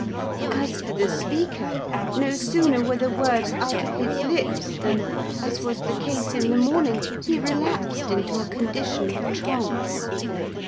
As for the speaker, no sooner were the words out of his lips, than, as was the case in the morning, he relapsed into a condition of trance.